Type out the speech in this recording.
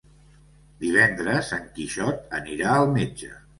Divendres en Quixot anirà al metge.